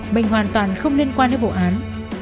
mình hoàn toàn không liên quan đến vụ án